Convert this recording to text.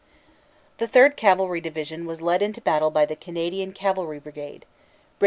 The Third Cavalry Division was led into battle by the Canadian Cavalry Brigade, Brig.